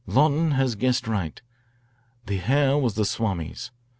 "Lawton has guessed right. The hair was the Swami's.